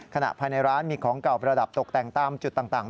ขณะภายในร้านมีของเก่าประดับตกแต่งตามจุดต่าง